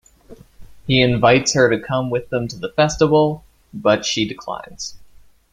He invites her to come with them to the festival, but she declines.